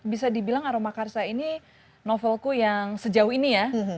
bisa dibilang aroma karsa ini novelku yang sejauh ini ya